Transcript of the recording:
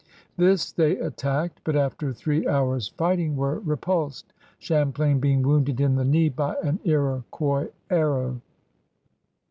This they attacked, but after three hours' fighting were repulsed, Champlain being wounded in the knee by an L*oquois arrow.